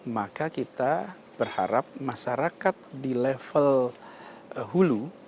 maka kita berharap masyarakat di level hulu